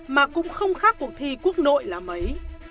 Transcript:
mà cũng không khác cuộc thi quốc nội là mấy